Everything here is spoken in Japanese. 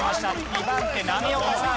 ２番手波岡さん。